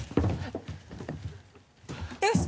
よし！